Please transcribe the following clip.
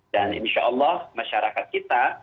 dan insya allah masyarakat kita